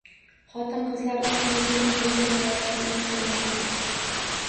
Xotin-qizlar uchun yurtimiz bo‘ylab sayohat uyushtirilmoqda